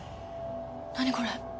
何これ！？